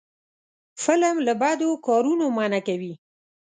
فلم له بدو کارونو منع کوي